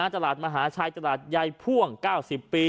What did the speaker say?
ตลาดมหาชัยตลาดไยพ่วง๙๐ปี